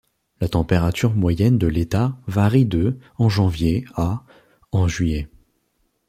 La température moyenne de l'État varie de en janvier à en juillet.